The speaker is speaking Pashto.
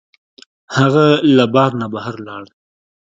هغه له بار نه بهر لاړ.